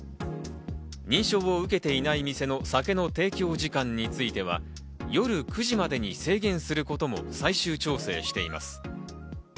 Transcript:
認証を受けていない店の酒の提供時間については、夜９時までに制限することも最終調整しています。